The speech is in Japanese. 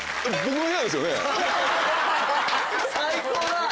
最高だ！